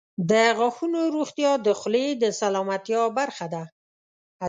• د غاښونو روغتیا د خولې د سلامتیا برخه ده.